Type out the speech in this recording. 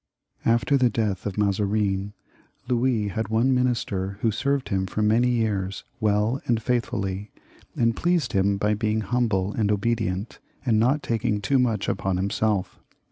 After the death of Mazarin, Louis had one minister who served him for many years well and faithfully, and pleased him by being humble and obedient, and not taking too much upon himself.